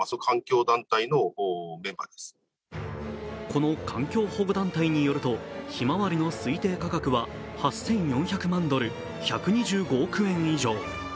この環境保護団体によると「ひまわり」の推定価格は８４００万ドル、１２５億円以上。